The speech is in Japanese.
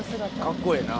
かっこええな。